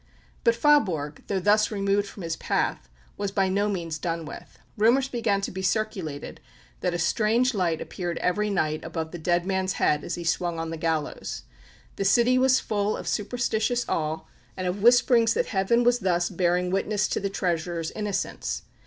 But Faaborg, though thus removed from his path, was by no means done with. Rumours began to be circulated that a strange light appeared every night above the dead man's head as he swung on the gallows. The city was full of superstitious awe and of whisperings that Heaven was thus bearing witness to the Treasurer's innocence.